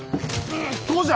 そうじゃ！